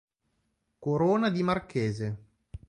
Corona di marchese.